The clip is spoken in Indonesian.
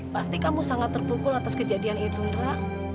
pasti kamu sangat terpukul atas kejadian itu indra